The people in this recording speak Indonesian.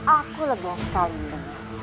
aku lega sekali denganmu